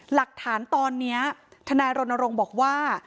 หลักฐานตอนนี้ทนายรณรงค์บอกว่า